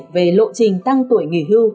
về lộ trình tăng tuổi nghỉ hưu